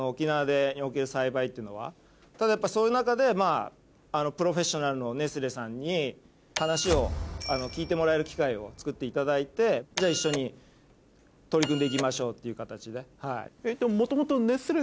ただやっぱそういう中でプロフェッショナルのネスレさんに話を聞いてもらえる機会をつくっていただいてじゃあ一緒に取り組んでいきましょうっていう形で。